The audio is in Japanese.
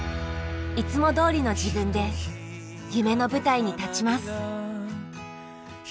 いつもどおりの自分で夢の舞台に立ちます。